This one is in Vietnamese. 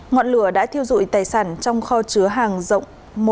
ngọn lửa đã thiêu dụi tài sản trong kho chứa hàng rộng một m hai